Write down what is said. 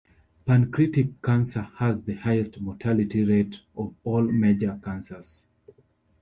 Pancreatic cancer has the highest mortality rate of all major cancers.